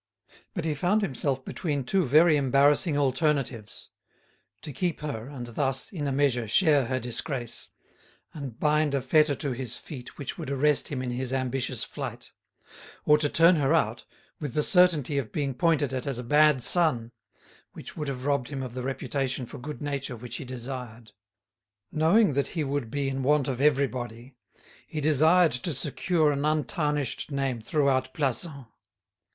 But he found himself between two very embarrassing alternatives: to keep her, and thus, in a measure, share her disgrace, and bind a fetter to his feet which would arrest him in his ambitious flight; or to turn her out, with the certainty of being pointed at as a bad son, which would have robbed him of the reputation for good nature which he desired. Knowing that he would be in want of everybody, he desired to secure an untarnished name throughout Plassans.